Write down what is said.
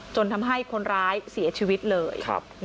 จนทำให้คนร้ายเสียชีวิตเลย